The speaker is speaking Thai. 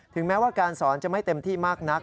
แม้ว่าการสอนจะไม่เต็มที่มากนัก